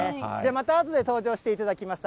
またあとで登場していただきます。